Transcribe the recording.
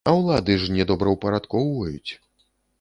А ўлады ж не добраўпарадкоўваюць.